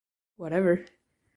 Whatever!